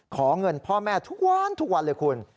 ขอเงินพ่อแม่ทุกวันทุกวันเลยคุณ